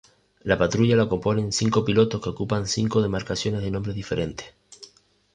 La patrulla la componen cinco pilotos que ocupan cinco demarcaciones de nombres diferentes.